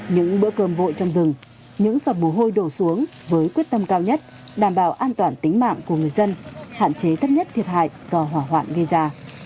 những bữa cơm vội trong rừng những giọt mồ hôi đổ xuống với quyết tâm cao nhất đảm bảo an toàn tính mạng của người dân hạn chế thấp nhất thiệt hại do hỏa hoạn gây ra